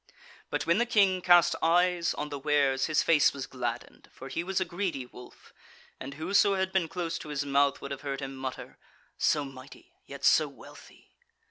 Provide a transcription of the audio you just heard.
But when the King cast eyes on the wares his face was gladdened, for he was a greedy wolf, and whoso had been close to his mouth would have heard him mutter: "So mighty! yet so wealthy!"